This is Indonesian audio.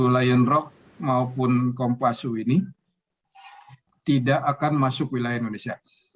lion rock maupun kompasu ini tidak akan masuk wilayah indonesia